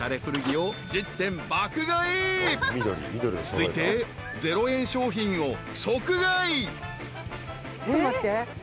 ［続いて０円商品を即買い］